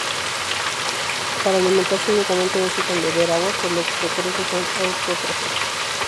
Para alimentarse, únicamente necesitan beber agua, por lo que se cree que son autótrofos.